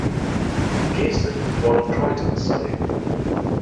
Gayson was born in Croydon, Surrey.